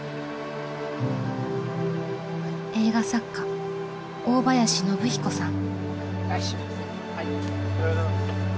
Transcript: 映画作家大林宣彦さん。